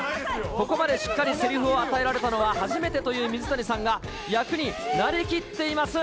ここまでしっかりせりふを与えられたのは初めてという水谷さんが、役になりきっています。